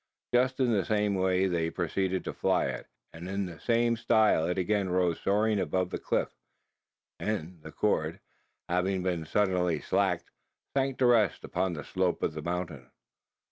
Just in the same way did they proceed to fly it; and in the same style it again rose soaring above the cliff; and the cord having been suddenly slacked sank to rest upon the slope of the mountain.